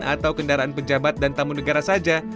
atau kendaraan pejabat dan tamu negara saja